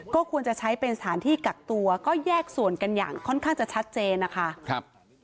ก็ควรจะใช้เป็นสถานที่กักตัวก็แยกส่วนกันอย่างค่อนข้างจะชัดเจนนะคะ